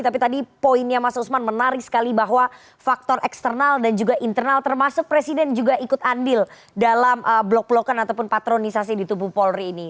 tapi tadi poinnya mas usman menarik sekali bahwa faktor eksternal dan juga internal termasuk presiden juga ikut andil dalam blok blokan ataupun patronisasi di tubuh polri ini